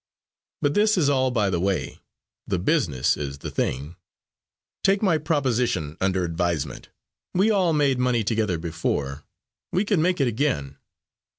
"But this is all by the way. The business is the thing. Take my proposition under advisement. We all made money together before; we can make it again.